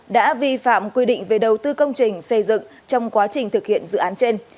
đã vi phạm quy định về đầu tư công trình xây dựng trong quá trình thực hiện dự án trên